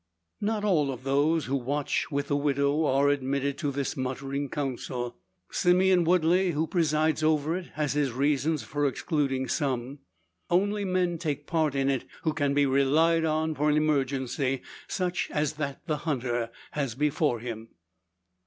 Not all of those, who watch with the widow are admitted to this muttering council. Simon Woodley, who presides over it, has his reasons for excluding some. Only men take part in it who can be relied on for an emergency, such as that the hunter has before him.